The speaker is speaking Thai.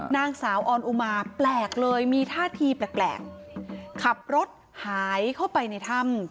นางสาวออนอุมาแปลกเลยมีท่าทีแปลกขับรถหายเข้าไปในถ้ำ